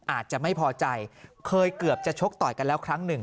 อาจจะไม่พอใจเคยเกือบจะชกต่อยกันแล้วครั้งหนึ่ง